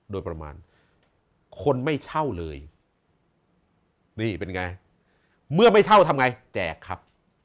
โดยประมาณคนไม่เช่าเลยนี่เป็นไงเมื่อไม่เช่าทำไงแจกครับ